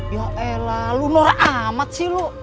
yaelah lu nor amat sih lu